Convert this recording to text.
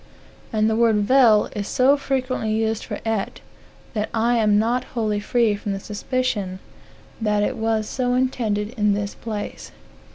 And the word vel is so frequently used for et, that I amnot wholly free from a suspicion that it was so intended in this place.